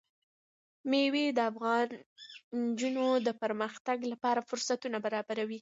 مېوې د افغان نجونو د پرمختګ لپاره فرصتونه برابروي.